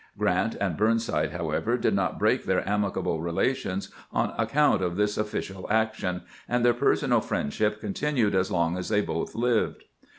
Grant and Burnside, however, did not break their amicable relations on ac count of this official action, and their personal friend ship continued as long as they both lived.